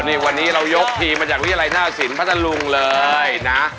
นี่วันนี้เรายกทีมมาจากวิทยาลัยหน้าสินพัทธลุงเลยนะ